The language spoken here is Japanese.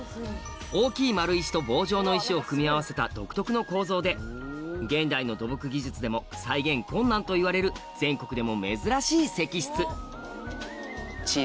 大きい丸石と棒状の石を組み合わせた独特の構造で現代の土木技術でも再現困難といわれる全国でも珍しい石室